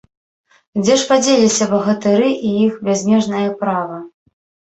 Дзе ж падзеліся багатыры і іх бязмежнае права?